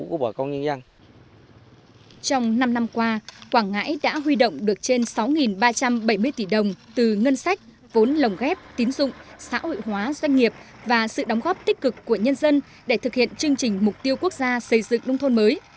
trong năm năm qua quảng ngãi đã huy động được trên sáu ba trăm bảy mươi tỷ đồng từ ngân sách vốn lồng ghép tín dụng xã hội hóa doanh nghiệp và sự đóng góp tích cực của nhân dân để thực hiện chương trình mục tiêu quốc gia xây dựng nông thôn mới